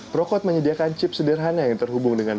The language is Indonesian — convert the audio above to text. prokot menyediakan chip sederhana yang terhubung dengan